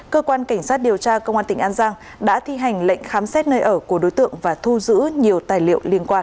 cơ quan cảnh sát điều tra công an tỉnh an giang đã thi hành lệnh khám xét nơi ở của đối tượng và thu giữ nhiều tài liệu liên quan